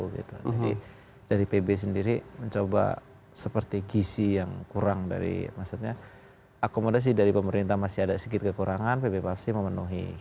jadi dari pb sendiri mencoba seperti gizi yang kurang dari maksudnya akomodasi dari pemerintah masih ada segit kekurangan pb papsi memenuhi